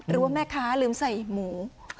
ว่าแม่ค้าลืมใส่หมู